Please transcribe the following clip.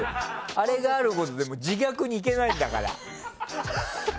あれがあることで自虐にいけないんだから。